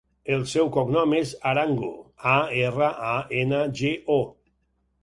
El seu cognom és Arango: a, erra, a, ena, ge, o.